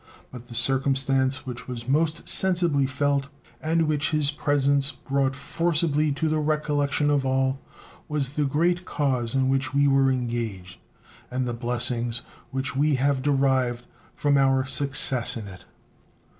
But the circumstance which was most sensibly felt, and which his presence brought forcibly to the recollection of all, was the great cause in which we were engaged and the blessings which we have derived from our success in it.